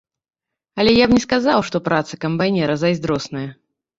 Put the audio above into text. Але я б не сказаў, што праца камбайнера зайздросная.